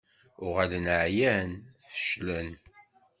Uɣalen ɛyan, feclen.